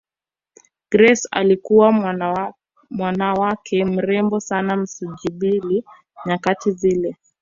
Grace alikuwa mwanawake mrembo sana Msumbiji nyakati zile